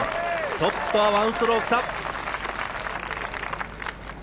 トップとは１ストローク差。